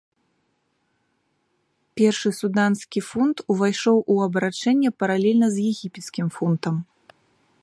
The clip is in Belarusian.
Першы суданскі фунт увайшоў у абарачэнне паралельна з егіпецкім фунтам.